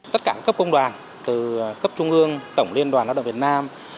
tất cả các cấp công đoàn từ cấp trung ương tổng liên đoàn lao động việt nam